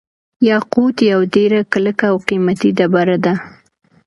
یاقوت یوه ډیره کلکه او قیمتي ډبره ده.